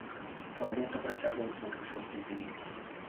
Галадоўка працягваецца ўжо шосты дзень.